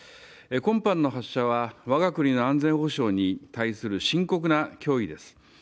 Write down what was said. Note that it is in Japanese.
今般の発射は我が国の安全保障に対する深刻な脅威です。